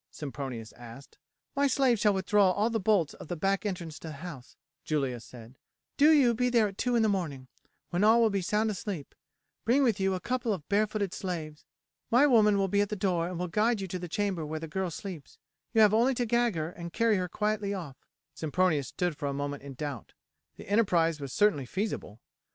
Sempronius asked. "My slave shall withdraw all the bolts of the back entrance to the house," Julia said; "do you be there at two in the morning, when all will be sound asleep; bring with you a couple of barefooted slaves. My woman will be at the door and will guide you to the chamber where the girl sleeps; you have only to gag her and carry her quietly off." Sempronius stood for a moment in doubt. The enterprise was certainly feasible.